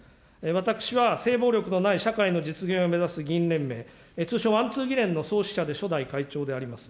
私は性暴力のない社会の実現を目指す議員連盟、通称ワンツー議連の創始者で、初代会長であります。